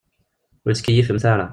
Ur ttkeyyifemt ara.